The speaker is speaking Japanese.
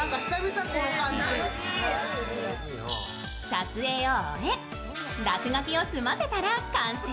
撮影を終え、落書きを済ませたら完成。